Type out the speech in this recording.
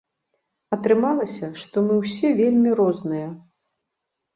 Атрымалася, што мы ўсе вельмі розныя.